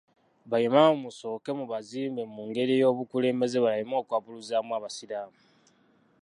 Ba Imam musooke mubazimbe mu ngeri y'obukulembeze, baleme okwabuluzaamu abasiraamu.